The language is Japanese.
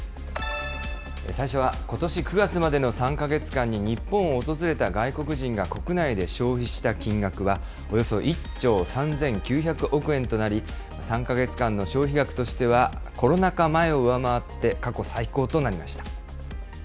最初は、ことし９月までの３か月間に日本を訪れた外国人が国内で消費した金額は、およそ１兆３９００億円となり、３か月間の消費額としてはコロナ禍前を上回って、過去最高となりました。